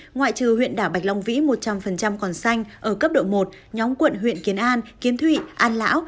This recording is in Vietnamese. ngoại trừ huyện đảo bạch long vĩ một trăm linh còn xanh ở cấp độ một nhóm quận huyện kiến an kiến thụy an lão